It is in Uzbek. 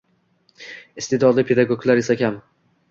Iste’dodli pedagoglar esa kam.